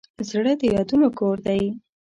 زړه د یادونو کور دی.